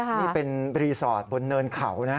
นี่เป็นรีสอร์ทบนเนินเขานะ